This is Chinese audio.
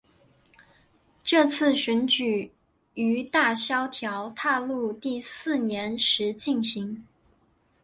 这次选举于大萧条踏入第四年时进行。